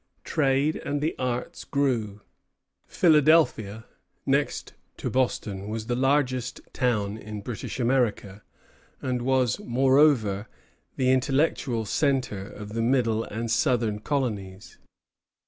Trade and the arts grew. Philadelphia, next to Boston, was the largest town in British America; and was, moreover, the intellectual centre of the middle and southern colonies.